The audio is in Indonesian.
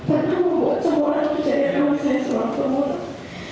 karena membuat semua orang percaya kemahiran saya seorang pemurah